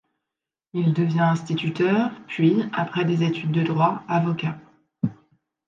Il devient instituteur puis, après des études de Droit, avocat.